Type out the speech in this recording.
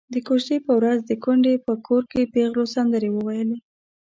د کوژدې په ورځ د کونډې په کور کې پېغلو سندرې وويلې.